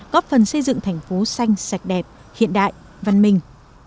góp phần xây dựng thành phố xanh sạch đẹp hiện đại văn minh